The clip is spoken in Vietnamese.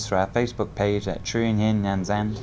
through our facebook page at truyền hình nhanzen